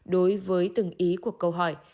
đối với từng ý của câu hỏi